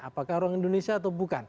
apakah orang indonesia atau bukan